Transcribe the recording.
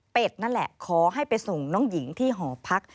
เป็นนั่นแหละขอให้ไปส่งน้องหญิงที่หอพัก